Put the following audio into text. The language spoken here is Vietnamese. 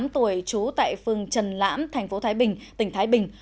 năm mươi tám tuổi trú tại phường trần lãm tp thái bình tỉnh thái bình